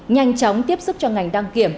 nhanh chóng tiếp sức cho ngành đăng kiểm